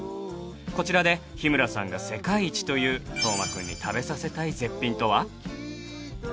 こちらで日村さんが世界一という斗真くんに食べさせたい絶品とは？